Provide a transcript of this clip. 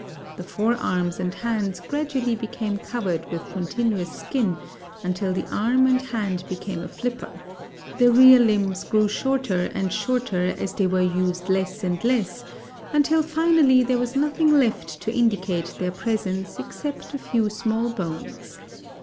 The forearms and hands gradually became covered with continuous skin until the arm and hand became a flipper; the rear limbs grew shorter and snorter as they were used less and less, until finally there was nothing left to indicate their presence except a few small bones.